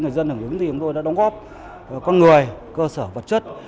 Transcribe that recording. người dân ở đúng tìm tôi đã đóng góp con người cơ sở vật chất